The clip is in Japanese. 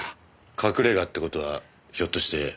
隠れ家って事はひょっとして。